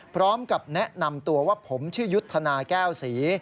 พร้อมกับแนะนำตัวว่าผมชื่อยุทธนาแก้วศรี